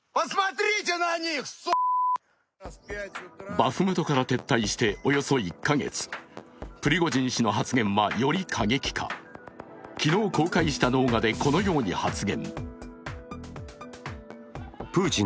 バフムトから撤退しておよそ１か月、プリゴジン氏の発言はより過激化、昨日公開した動画でこのように発言。